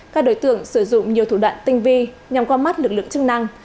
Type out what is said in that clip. các đối tượng sử dụng nhiều thủ đoạn tinh vi nhằm qua mắt lực lượng chức năng